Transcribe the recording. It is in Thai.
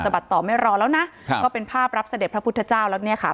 บัดต่อไม่รอแล้วนะครับก็เป็นภาพรับเสด็จพระพุทธเจ้าแล้วเนี่ยค่ะ